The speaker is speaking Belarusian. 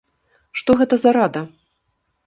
Што гэта за рада?